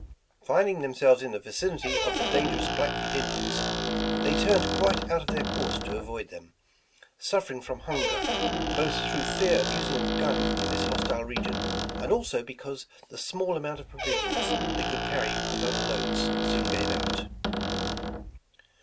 Finding themselves in the vicinity of the dangerous Blackfeet Indians, they turned quite out of their course to avoid them, suffering from hunger, both through fear of using a gun in this hostile region, and also because the small amount of provisions they could carry with other loads, soon gave out.